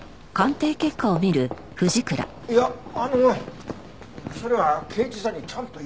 いやあのそれは刑事さんにちゃんと依頼されて。